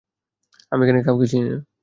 আমি এখানের কাউকে চিনি না।